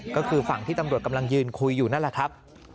ก็คือฝั่งที่ตำรวจกำลังยืนคุยอยู่นั่นแหละครับ